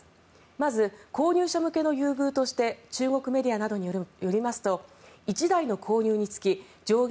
まず、購入者向けの優遇として中国メディアなどによりますと１台の購入につき上限